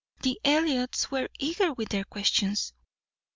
The Elliots were eager with their questions.